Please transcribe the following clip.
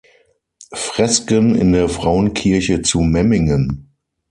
Fresken in der Frauenkirche zu Memmingen.